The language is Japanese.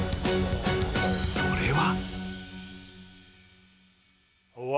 ［それは］